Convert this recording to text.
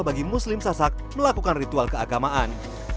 sebagai contoh muslim sasak melakukan ritual keagamaan